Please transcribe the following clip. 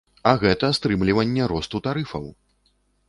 А гэта стрымліванне росту тарыфаў!